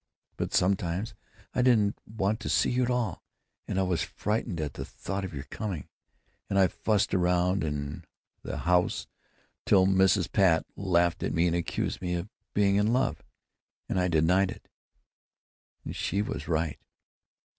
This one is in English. —but sometimes I didn't want to see you at all, and I was frightened at the thought of your coming, and I fussed around the house till Mrs. Pat laughed at me and accused me of being in love, and I denied it—and she was right!"